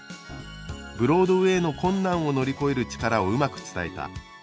「ブロードウェイの困難を乗り越える力をうまく伝えた」